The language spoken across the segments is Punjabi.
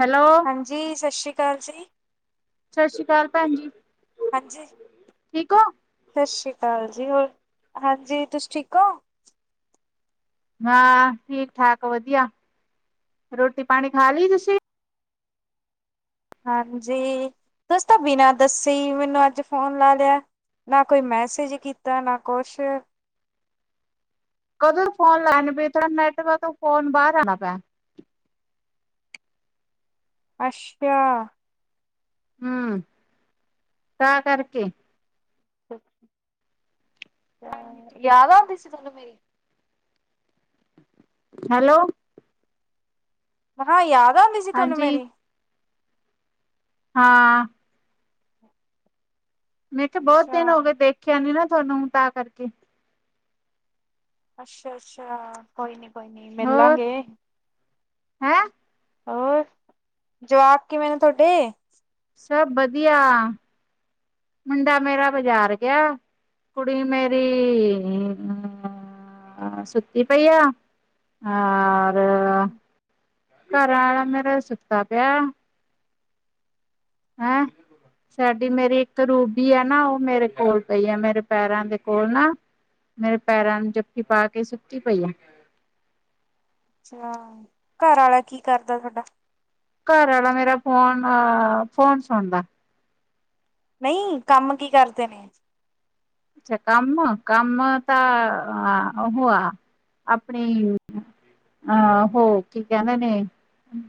ਹੈਲੋ ਹਾਂਜੀ ਸਤਿ ਸ਼੍ਰੀ ਅਕਾਲ ਜੀ। ਸਤਿ ਸ਼੍ਰੀ ਅਕਾਲ ਭੈਣ ਜੀ। ਹਾਂਜੀ ਠੀਕ ਹੋ ਸਤਿ ਸ਼੍ਰੀ ਅਕਾਲ ਜੀ ਹੋਰ ਹਾਂਜੀ ਤੁਸੀ ਠੀਕ ਹੋ ਹਾਂ ਠੀਕ- ਠਾਕ ਵਧੀਆ ਰੋਟੀ ਪਾਣੀ ਖਾ ਲਈ ਤੁਸੀ ਹਾਂਜੀ ਤੁਸ ਤਾਂ ਬਿਨਾਂ ਦੱਸੇ ਈ ਮੈਨੂੰ ਅੱਜ ਫੋਨ ਲਾ ਲਿਆ ਨਾ ਕੋਈ ਮੈਸੇਜ ਕੀਤਾ ਨਾ ਕੁਛ ਕਦੋਂ ਫੋਨ ਲੈਣ ਪਈ ਥੋਡਾ ਨੈੱਟ ਵਰਕ ਤੌ ਫੋਨ ਬਾਹਰ ਆਉਦਾ ਪਿਆ ਅੱਛਾ ਹੂੰ, ਤਾਂ ਕਰਕੇ ਯਾਦ ਆਉਂਦੀ ਸੀ ਤੁਹਾਨੂੰ ਮੇਰੀ ਹੈਲੋ ਮ ਕਿਹਾ ਯਾਦ ਆਉਂਦੀ ਸੀ ਤੁਹਾਨੂੰ ਹਾਂਜੀ ਮੇਰੀ ਹਾਂ ਮੈਂ ਕਿਹਾ ਬਹੁਤ ਅੱਛਾ ਦਿਨ ਹੋ ਗਏ ਦੇਖਿਆ ਨੀ ਨਾ ਤੁਹਾਨੂੰ ਤਾਂ ਕਰਕੇ ਅੱਛਾ ਅੱਛਾ ਕੋਈ ਨੀ ਕੋਈ ਨੀ ਹੋਰ ਮਿਲਾਂਗੇ। ਹੈਂ। ਹੋਰ, ਜਵਾਕ ਕਿਵੇਂ ਨੇ ਤੁਹਾਡੇ? ਸਭ ਵਧੀਆ ਮੁੰਡਾ ਮੇਰਾ ਬਾਜ਼ਾਰ ਗਿਆ। ਕੁੜੀ ਮੇਰੀ ਹੁ ਅ ਸੁੱਤੀ ਪਈਆ ਆ ਘਰ ਆਲਾ ਮੇਰੇ ਸੁਤਾ ਪਿਆ ਹੈ ਸਾਡੀ ਮੇਰੀ ਇੱਕ ਰੂਬੀ ਆ ਨਾ, ਉਹ ਮੇਰੇ ਕੋਲ ਪਈ ਆ ਮੇਰੇ ਪੈਰਾਂ ਦੇ ਕੋਲ ਨਾ ਮੇਰੇ ਪੈਰਾਂ ਨੂੰ ਜੱਫੀ ਪਾ ਕੇ ਸੁੱਤੀ ਪਈ ਏ ਅੱਛਾ। ਘਰ ਆਲਾ ਕੀ ਕਰਦਾ ਤੁਹਾਡਾ? ਘਰ ਆਲਾ ਮੇਰਾ ਫੋਨ, ਅ ਫੋਨ ਚਲਾਦਾ ਐ। ਨਹੀਂ ਕੰਮ ਕੀ ਕਰਦੇ ਨੇ ਅੱਛਾ ਕੰਮ, ਕੰਮ ਤਾਂ ਉ ਆ ਅਪਣੀ ਆਹੋ ਕੀ ਹੈ ਕਹਦੇੰ ਨੇ,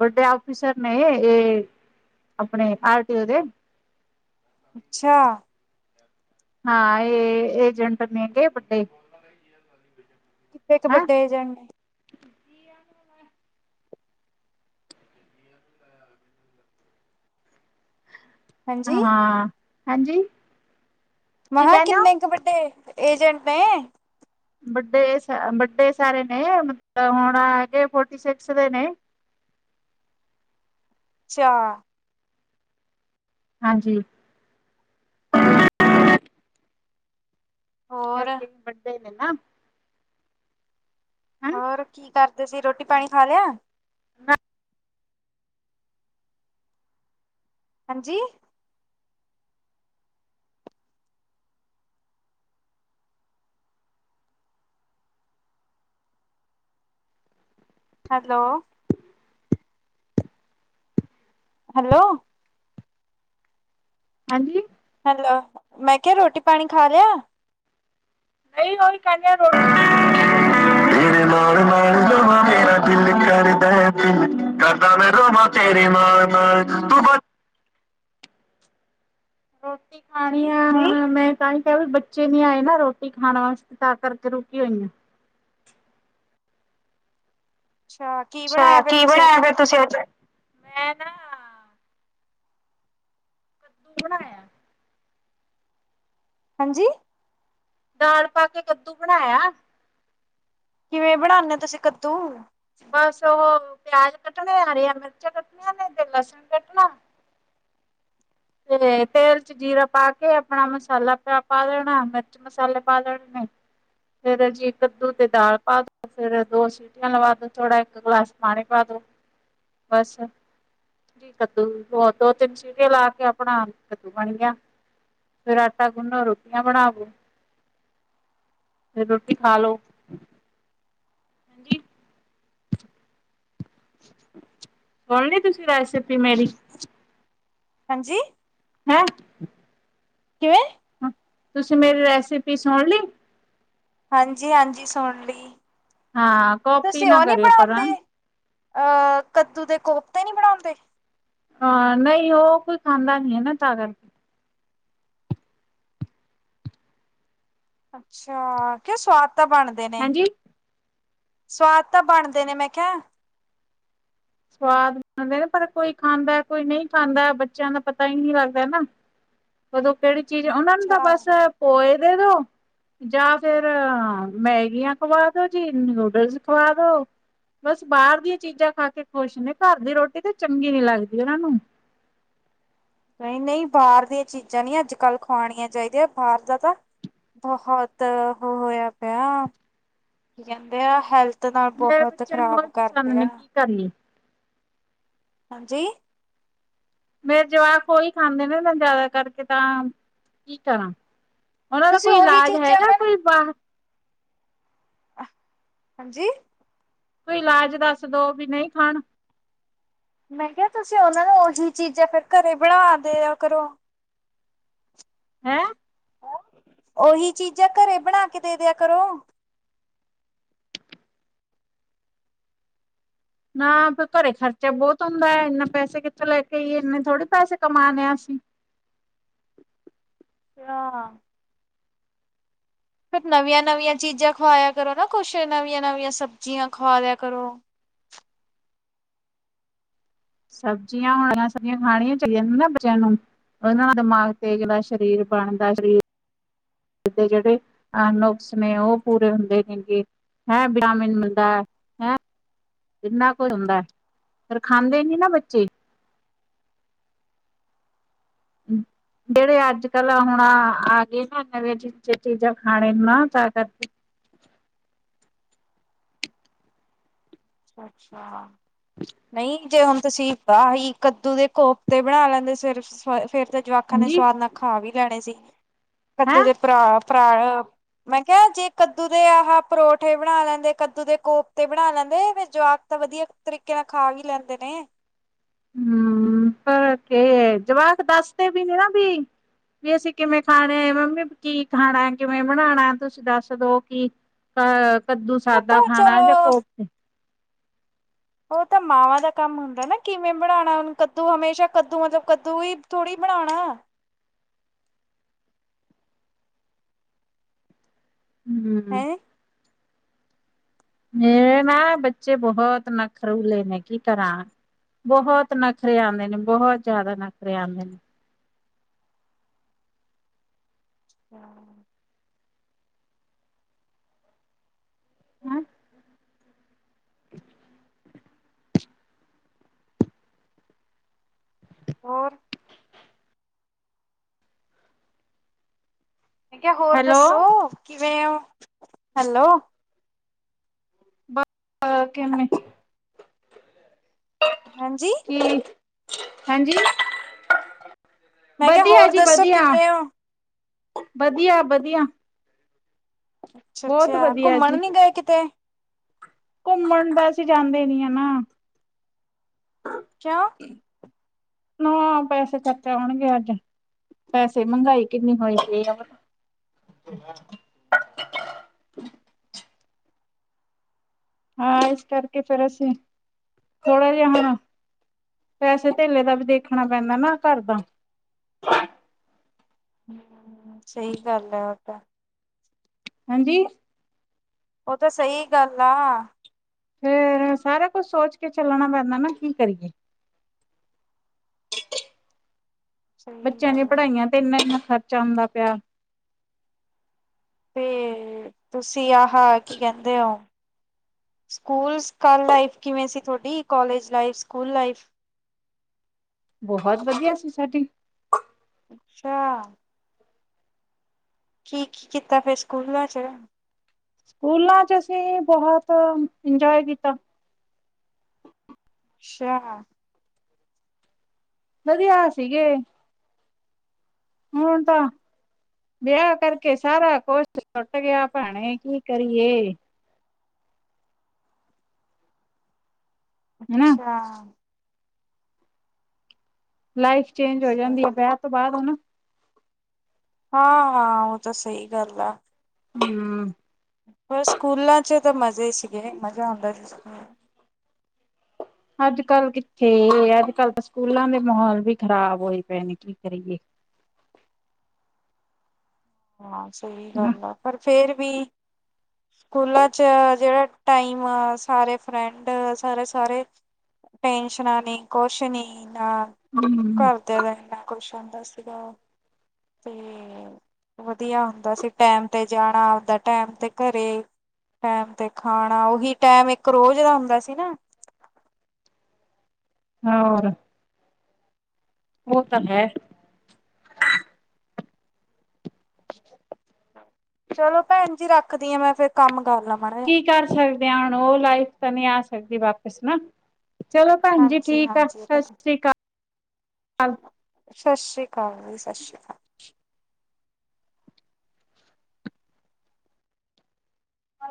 ਬਡੇ ਔਫੀਸਰ ਨੇ ਇਹ ਆਪਨੇ ਆਰਟੀਓ ਦੇ ਅੱਛਾ ਹਾਂ। ਇਹ ਏਜੰਟ ਨੇ ਵੱਡੇ ਕਿੱਥੇ ਚ ਹੈਂ ਵੱਡੇ ਏਜੰਟ ਨੇ? [unintelligible] ਹਾਂਜੀ ਹਾਂ -ਹਾਂਜੀ ਕੀ ਮੇਹਾ ਕਿਹਾ ਕਹਿੰਦੇ ਹੋ ਕਿੰਨੇ ਕੁ ਵੱਡੇ ਏਜੰਟ ਨੇ ਵੱਡੇ -ਵੱਡੇ ਸਾਰੇ ਨੇ ਮਤਲਬ ਹੁਣ ਹੈਗੇ ਫੋਰਟੀ ਸਿਕਸ ਦੇ ਨੇ ਅੱਛਾ- ਹਾਂਜੀ ਇਸ ਹੋਰ ਕਰਕੇ ਵੱਡੇ ਨੇ ਨਾ। ਹਨਾ ਹੋਰ ਕੀ ਕਰਦੇ ਸੀ, ਰੋਟੀ ਪਾਣੀ ਖਾ ਲਿਆ ਨਾ ਹਾਂਜੀ ਹੈਲੋ ਹੈਲੋ ਹਾਂਜੀ ਹੈਲੋ। ਮੈਂ ਕਿਹਾ ਰੋਟੀ ਪਾਨੀ ਖਾ ਲਿਆ? [unintelligible] [unintelligible] ਰੋਟੀ ਖਾਣੀ ਆ। ਅੱਛਾ ਹੁਨ ਮੈਂ ਤਾਂ ਹੀ ਕਿਹਾ। ਵੀ ਬੱਚੇ ਨੀ ਆਏ ਨਾ ਰੋਟੀ ਖਾਣ ਵਾਸਤੇ, ਤਾਂ ਕਰਕੇ ਰੁਕੀ ਹੋਈਆਂ ਆ ਅੱਛਾ। ਕੀ ਬਣਾਇਆ ਫੇਰ ਤੁਸੀਂ ਅੱਜ ਤੁਸੀਂ ਅੱਜ ਆਏ। ਮੈਂ ਨਾ ਕੱਦੂ ਬਣਾਇਆ। ਹਾਂਜੀ। ਦਾਲ ਪਾ ਕੇ ਕੱਦੂ ਬਣਾਇਆ। ਕਿਵੇਂ ਬਣਾਣੇ ਆ ਤੁਸੀਂ ਕੱਦੂ ਬਸ ਉਹ ਪਿਆਜ ਕੱਟਣੇ, ਆ ਨੇ ਮਿਰਚਾਂ ਕੱਟਣੀਆਂ ਨੇ, ਤੇ ਲਸਣ ਕੱਟਣਾ ਤੇ ਤੇਲ ਚ ਜੀਰਾ ਪਾ ਕੇ ਆਪਣਾ ਮਸਾਲਾ ਪਾ ਦੇਣਾ ਮਿਰਚ ਮਸਾਲੇ ਪਾ ਲੈਣੇ ਨੇ ਫੇਰ ਜੀ ਕੱਦੂ ਤੇ ਦਾਲ ਪਾ ਫੇਰ ਦੋ ਸੀਟੀਆਂ ਲਵਾ ਦੋ, ਥੋੜਾ ਇੱਕ ਗਲਾਸ ਪਾਣੀ ਪਾ ਦੋ ਬਸ। ਜੀ। ਕੱਦੂ ਹੋ ਦੋ- ਤਿੰਨ ਸੀਟੀਆਂ ਲਾ ਕੇ ਆਪਣਾ ਕੱਦੂ ਬਣ ਗਿਆ। ਫਿਰ ਆਟਾ ਗੁਨੋ ਰੋਟੀਆਂ ਬਣਾਦਿਓ। ਫਿਰ ਰੋਟੀ ਖਾ ਲੋ ਹਾਂਜੀ, ਸੁਣਲੀ ਤੁਸੀ ਰੈਸਪੀ ਮੇਰੀ ਹਾਂਜੀ ਹੈਂ। ਕ ਤੁਸੀਂ ਮੇਰੀ ਰੈਸਿਪੀ ਸਾਣ ਲੀ। ਹਾਂਜੀ ਹਾਂਜੀ। ਸੁਣ ਲਈ ਹਾਂ। ਕੋਪੀ ਤੁਸੀਂ ਨਾ ਉਹ ਨੀ ਕਰੇ ਕਰਾਂ। ਬਣਾਉਂਦੇ ਅਹ ਕੱਦੂ ਦੇ ਕੋਫਤੇ ਨੀ ਬਣਾਉਂਦੇ। ਅ ਨਹੀਂ ਉਹ ਕੋਈ ਖਾਦਾ ਨਹੀਂ ਹੈ ਨਾ ਤਾਂ ਕਰ ਕੇ। ਅੱਛਾ ਕਿਉ ਸਵਾਦ ਤਾਂ ਬਣਦੇ ਨੇ। ਹਾਂਜੀ ਸਵਾਦ ਤਾਂ ਬਣਦੇ ਨੇ ਮੈਂ ਕਿਹਾ। ਸਵਾਦ ਬਣਦੇ ਨੇ ਪਰ ਕੋਈ ਖਾਂਦਾ ਕੋਈ ਨਹੀਂ ਖਾਂਦਾ ਬੱਚਿਆਂ ਦਾ ਪਤਾ ਹੀ ਨਹੀਂ ਲੱਗਦਾ ਨਾ। ਉਦੋਂ ਕਿਹੜੀ ਚੀਜ਼ ਉਹਨਾ ਨੂੰ ਤਾਂ ਅੱਛਾ ਬਸ ਪੋਏ ਦੇ ਦੋ। ਜਾਂ ਫੇਰ ਮੈਗੀਆਂ ਖਵਾ ਦੋ ਜੀ, ਨੂਡਲਜ਼ ਖਵਾ ਦੋ। ਬਸ ਬਾਹਰ ਦੀਆਂ ਚੀਜ਼ਾਂ ਖਾ ਕੇ ਖੁਸ਼ ਨੇ, ਘਰ ਦੀ ਰੋਟੀ ਤਾਂ ਚੰਗੀ ਨੀ ਲੱਗਦੀ ਉਹਨਾਂ ਨੂੰ। ਨਹੀਂ ਨਹੀਂ ਬਾਹਰ ਦੀਆਂ ਚੀਜ਼ਾਂ ਨਹੀਂ ਅੱਜ ਕੱਲ ਖਵਾਉਣੀਆਂ ਚਾਹੀਦੀਆਂ ਬਾਹਰ ਦਾ ਤਾਂ ਬਹੁਤ ਉਹ ਹੋਇਆ ਪਿਆ ਕੀ ਕਹਿੰਦੇ ਆ ਹੈਲਥ ਨਾਲ ਬਹੁਤ ਖ਼ਰਾਬ ਕਰਦੇ ਆ। ਕਰਨੀ। ਹਾਂਜੀ। ਮੇਰੇ ਜਵਾਕ ਉਹੀ ਖਾਂਦੇ ਨੇ ਮੈਂ ਜਿਆਦਾ ਕਰਕੇ ਤਾਂ ਕੀ ਕਰਾਂ। ਉਹਨਾਂ ਦਾ ਤੁਸੀਂ ਕੋਈ ਉਹੀ ਇਲਾਜ ਚੀਜ਼ਾਂ ਹੈਗਾ ਉਹਨਾਂ ਨੂੰ ਕੋਈ ਬਾਹਰ ਹਾਂਜੀ। ਕੋਈ ਇਲਾਜ ਦੱਸ ਦੋ ਵੀ ਨਹੀਂ ਖਾਣ। ਮੈਂ ਕਿਹਾ ਤੁਸੀਂ ਉਹਨਾਂ ਨੂੰ ਉਹੀ ਚੀਜ਼ਾਂ ਫਿਰ ਘਰੇ ਬਣਾ ਦੇ ਆ ਕਰੋ। ਹੈਂ। ਓਹੀ ਚੀਜ਼ਾਂ ਘਰੇ ਬਣਾ ਕੇ ਦੇ ਦਿਆ ਕਰੋ। ਨਾ ਘਰੇ ਖਰਚਾ ਬਹੁਤ ਹੁੰਦਾ ਇੰਨਾ ਪੈਸੇ ਕਿੱਥੇ ਲੈ ਕੇ ਆਈਏ ਇਨੇ ਥੋੜੇ ਪੈਸੇ ਕਮਾਨੇ ਆ ਅਸੀਂ। ਹਾਂ ਫੇਰ ਨਵੀਆਂ ਨਵੀਆਂ ਚੀਜ਼ਾਂ ਖਵਾਇਆ ਕਰੋ ਨਾ ਕੁਛ ਨਵੀਆਂ ਨਵੀਆਂ ਸਬਜ਼ੀਆਂ ਖਵਾ ਲਿਆ ਕਰੋ। ਸਬਜ਼ੀਆਂ ਹਰੀਆ ਸਬਜੀਆ ਖਾਣੀਆਂ ਚਾਹੀਦੀਆਂ ਨਾ ਬੱਚਿਆਂ ਨੂੰ ਉਹਦੇ ਨਾਲ ਦਿਮਾਗ ਤੇਜ ਨਾਲੇ ਸਰੀਰ ਬਣਦਾ ਸਰੀਰ ਦੇ ਜਿਹੜੇ ਅਹ ਨੁਕਸ ਨੇ ਉਹ ਪੂਰੇ ਹੁੰਦੇ ਨੇ ਗੇ। ਹੈਂ ਬਿਟਾਮਿਨ ਮਿਲਦਾ ਹੈਂ। ਇੰਨਾ ਕੁਝ ਹੁੰਦਾ ਪਰ ਖਾਂਦੇ ਨੀ ਨਾ ਬੱਚੇ। ਹੂੰ ਜਿਹੜੇ ਅੱਜ ਕੱਲ ਹੁਣ ਆ ਗਏ ਨਾ ਨਵੀਆਂ ਚ ਚੀਜ਼ਾਂ ਖਾਣੇ ਨੂੰ ਨਾ ਤਾਂ ਕਰਕੇ ਅੱਛਾ ਅੱਛਾ ਨਹੀਂ। ਜੇ ਹੁਣ ਤੁਸੀਂ ਆਹੀ ਕੱਦੂ ਦੇ ਕੋਪਤੇ ਬਣਾ ਲੈਂਦੇ ਸਿਰ ਸ ਫੇਰ ਤਾਂ ਜਵਾਕਾਂ ਨੇ ਹਾਂਜੀ ਸਵਾਦ ਨਾਲ ਖਾ ਵੀ ਲੈਣੇ ਸੀ ਕੱਦੂ ਹੈਂ ਦੇ ਭਰਾ ਭਰਾ ਮੈਂ ਕਿਹਾ ਜੇ ਕੱਦੂ ਦੇ ਆਹ ਪਰੌਠੇ ਬਣਾ ਲੈਂਦੇ ਕੱਦੂ ਦੇ ਕੋਫਤੇ ਬਣਾ ਲੈਂਦੇ ਫੇਰ ਜਵਾਕ ਤਾਂ ਵਧੀਆ ਤਰੀਕੇ ਨਾਲ ਖਾ ਹੀ ਲੈਂਦੇ ਨੇ। ਹਮ ਉਕੇ ਜਵਾਕ ਦੱਸਦੇ ਵੀ ਨੀ ਨਾ ਵੀ। ਵੀ ਅਸੀਂ ਕਿਵੇਂ ਖਾ ਰਹੇ ਮੰਮੀ ਕੀ ਖਾਣਾ ਕਿਵੇਂ ਬਣਾਣਾ ਤੁਸੀਂ ਦੱਸ ਦੋ ਕਿ। ਅ ਕੱਦੂ ਉਹ ਸਾਦਾ ਤਾਂ ਖਾਣਾ ਜਾਂ ਚਲੋ ਕੋਫਤੇ। ਉਹ ਤਾਂ ਮਾਵਾਂ ਦਾ ਕੰਮ ਹੁੰਦਾ ਨਾ ਕਿਵੇਂ ਬਣਾਉਣਾ ਹੁਣ ਕੱਦੂ ਹਮੇਸ਼ਾ ਕੱਦੂ ਮਤਲਬ ਕੱਦੂ ਹੀ ਥੋੜ੍ਹੀ ਬਣਾਉਣਾ। ਹੂੰ ਹੈਂ ਮੇਰੇ ਨਾ ਬੱਚੇ ਬਹੁਤ ਨਖਰੂਲੇ ਨੇ ਕੀ ਕਰਾਂ। ਬਹੁਤ ਨਖਰੇ ਆਦੇ ਨੇ, ਬਹੁਤ ਜ਼ਿਆਦਾ ਨਖਰੇ ਆਦੇ ਨੇ। [inaudible] ਹੈਂ। [inaudible] ਹੋਰ। ਮੈ ਕਿਹਾ ਹੋਰ ਹੈਲੋ ਦੱਸੋ ਕਿਵੇਂ ਹੋ। ਹੈਲੋ ਅਹ ਕਿਵੇਂ ਹਾਂਜੀ। ਕੀ, ਹਾਂਜੀ, ਮੈਂ ਕਿਹਾ ਵਧੀਆ ਹੋਰ ਜੀ ਦੱਸੋ ਵਧੀਆ। ਕਿਵੇਂ ਹੋ ਵਧੀਆ ਵਧੀਆ। ਅੱਛਾ ਬਹੁਤ ਅੱਛਾ ਵਧੀਆ ਘੁੰਮਣ ਜੀ ਨਹੀਂ ਗਏ ਕਿਤੇ? ਘੁੰਮਣ ਤਾਂ ਅਸੀਂ ਜਾਂਦੇ ਨੀ ਆ ਨਾ। ਕਿਉ? ਨਾ ਪੈਸੇ ਚਾਚਾ ਆਉਣਗੇ ਅੱਜ। ਪੈਸੇ ਮਹਿੰਗਾਈ ਕਿੰਨੀ ਹੋਈ ਪਈ ਆ। ਹਾਂ, ਇਸ ਕਰਕੇ ਫੇਰ ਅਸੀਂ ਥੋੜਾ ਜਿਹਾ ਹਣਾ। ਪੈਸੇ ਧੇਲੇ ਦਾ ਵੀ ਦੇਖਣਾ ਪੈਂਦਾ ਨਾ ਘਰ ਦਾ। ਹਮ ਸਹੀ ਗੱਲ ਹੈ। ਤਾਂ ਹਾਂਜੀ? ਉਹ ਤਾਂ ਸਹੀ ਗੱਲ ਆ। ਫੇਰ ਸਾਰਾ ਕੁਛ ਸੋਚ ਕੇ ਚੱਲਣਾ ਪੈਂਦਾ ਨਾ ਕੀ ਕਰੀਏ। ਸਹੀ ਬੱਚਿਆਂ ਦੀਆਂ ਗੱਲ ਆ ਪੜ੍ਹਾਈਆਂ ਤੇ ਇੰਨਾ ਇੰਨਾ ਖਰਚਾ ਹੁੰਂਦਾ ਪਿਆ। ਤੇ ਤੁਸੀਂ ਆਹ ਕੀ ਕਹਿੰਦੇ ਹੋ। ਸਕੂਲ ਸਕਾਲ ਲਾਈਫ ਕਿਵੇਂ ਸੀ ਤੁਹਾਡੀ ਕੋਲਜ ਲਾਈਫ ਸਕੂਲ ਲਾਈਫ? ਬਹੁਤ ਵਧੀਆ ਸੀ ਸਾਡੀ। ਅੱਛਾ। ਕੀ ਕੀ ਕੀਤਾ ਫੇਰ ਸਕੂਲਾਂ ਚ? ਸਕੂਲਾਂ ਚ ਅਸੀਂ ਬਹੁਤ ਇੰਜੋਏ ਕੀਤਾ। ਅੱਛਾ। ਵਧਿਆ ਸੀਗੇ ਹੁਣ ਤਾਂ। ਵਿਆਹ ਕਰਕੇ ਸਾਰਾ ਕੁਛ ਛੁੱਟ ਗਿਆ ਭੈਣੇ ਕੀ ਕਰੀਏ। ਹਨਾ ਅੱਛਾ। ਲਾਈਫ ਚੇਂਜ ਹੋ ਜਾਂਦੀ ਹੈ ਵਿਆਹ ਤੋਂ ਬਾਅਦ ਹੈ ਨਾ। ਹਾਂ, ਹਾਂ ਉਹ ਤਾਂ ਸਹੀ ਗੱਲ ਆ। ਹਮ ਪਰ ਸਕੂਲਾਂ 'ਚ ਤਾਂ ਮਜ਼ੇ ਸੀਗੇ ਮਜ਼ਾ ਆਉਂਦਾ ਸੀ। ਅੱਜ ਕੱਲ੍ਹ ਕਿੱਥੇ ਅੱਜ ਕੱਲ੍ਹ ਤਾਂ ਸਕੂਲਾਂ ਦੇ ਮਾਹੌਲ ਵੀ ਖ਼ਰਾਬ ਹੋਏ ਪਏ ਨੇ ਕੀ ਕਰੀਏ। ਹਾਂ, ਸਹੀ ਹਨਾ ਗੱਲ ਆ ਪਰ ਫੇਰ ਵੀ। ਸਕੂਲਾ ਚ ਜਿਹੜਾ ਟਾਈਮ ਆ ਸਾਰੇ ਫਰੈਂਡ ਸਾਰੇ -ਸਾਰੇ। ਟੈਨਸ਼ਨਾਂ ਨੀ ਕੁਛ ਨੀ ਇੰਨਾ ਹਮ ਘਰਦੇਆਂ ਦਾ ਇੰਨਾ ਕੁਛ ਹੁੰਦਾ ਸੀਗਾ। ਤੇ ਵਧੀਆ ਹੁੰਦਾ ਸੀ ਟੈਮ ਤੇ ਜਾਣਾ ਆਪਦਾ ਟੈਮ ਤੇ ਘਰੇ। ਟੈਮ ਤੇ ਖਾਣਾ ਉਹੀ ਟੈਮ ਇੱਕ ਰੋਜ਼ ਦਾ ਹੁੰਦਾ ਸੀ ਨਾ? ਹੋਰ। ਉਹ ਤਾਂ ਹੈ। ਚਲੋ ਭੈਣ ਜੀ ਰੱਖਦੀ ਆ ਮੈਂ ਫੇਰ ਕੰਮ ਕਰ ਲਵ ਮਾੜ। ਕੀ ਕਰ ਸਕਦੇ ਹਾਂ ਹੁਣ ਉਹ ਲਾਈਫ ਤਾਂ ਨਹੀਂ ਆ ਸਕਦੀ ਵਾਪਿਸ ਨਾ। ਚਲੋ ਭੈਣਜੀ ਹਾਂਜੀ ਠੀਕ ਆ। ਹਾਂਜੀ ਸਤਿ ਸ੍ਰੀ ਅਕਾਲ। ਸਤਿ ਸ੍ਰੀ ਅਕਾਲ ਜੀ, ਸਤਿ ਸ੍ਰੀ ਅਕਾਲ।